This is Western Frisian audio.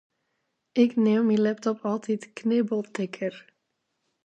Ik neam myn laptop altyd knibbeltikker.